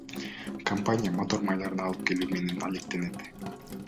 Компания мотор майларын алып келүү менен алектенет.